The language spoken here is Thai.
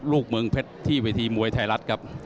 เมืองเพชรที่เวทีมวยไทยรัฐครับ